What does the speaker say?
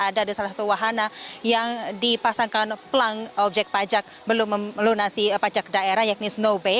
ada di salah satu wahana yang dipasangkan pelang objek pajak belum melunasi pajak daerah yakni snow bay